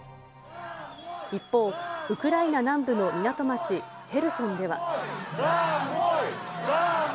一方、ウクライナ南部の港町、ヘルソンでは。